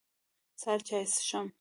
سهار چاي څښم.